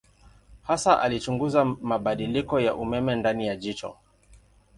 Hasa alichunguza mabadiliko ya umeme ndani ya jicho.